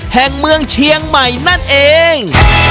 แห่งเมืองเชียงใหม่นั่นเอง